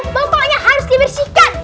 pokoknya harus dibersihkan